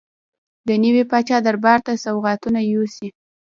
د نوي پاچا دربار ته سوغاتونه یوسي.